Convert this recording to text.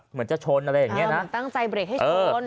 เหมือนจะชนอะไรอย่างเงี้ยนะ